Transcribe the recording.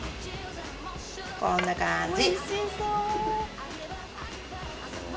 こんな感じ。